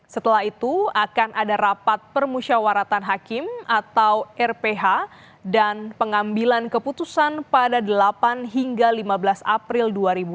setelah itu akan ada rapat permusyawaratan hakim atau rph dan pengambilan keputusan pada delapan hingga lima belas april dua ribu dua puluh